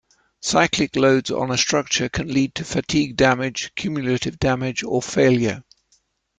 Cyclic loads on a structure can lead to fatigue damage, cumulative damage, or failure.